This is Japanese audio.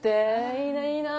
いいないいなあ。